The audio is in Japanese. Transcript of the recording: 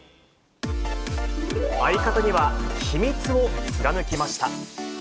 相方には秘密を貫きました。